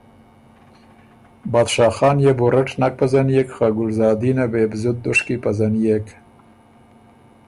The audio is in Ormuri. بادشاه خان يې بو رټ نک پزنيېک خه ګلزادین وې بُو زُت دُشکی پزنيېک،